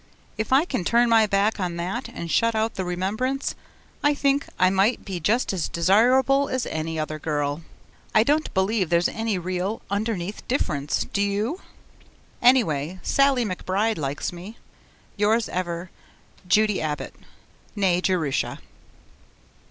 If I can turn my back on that and shut out the remembrance, I think, I might be just as desirable as any other girl. I don't believe there's any real, underneath difference, do you? Anyway, Sallie McBride likes me! Yours ever, Judy Abbott (Nee Jerusha.)